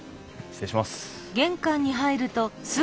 失礼します。